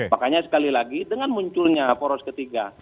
makanya sekali lagi dengan munculnya poros ketiga